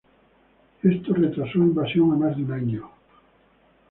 Esto retrasó la invasión a más de un año.